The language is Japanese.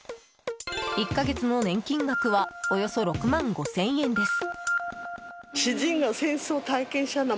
１か月の年金額はおよそ６万５０００円です。